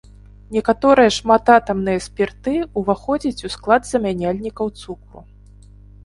Некаторыя шмататамныя спірты ўваходзяць у склад замяняльнікаў цукру.